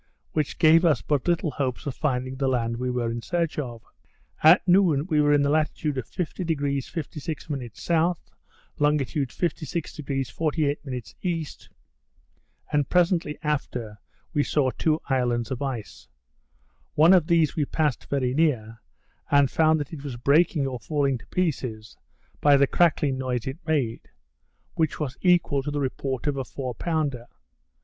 which gave us but little hopes of finding the land we were in search of. At noon we were in the latitude of 50° 56' S., longitude 56° 48' E., and presently after we saw two islands of ice. One of these we passed very near, and found that it was breaking or falling to pieces, by the cracking noise it made; which was equal to the report of a four pounder.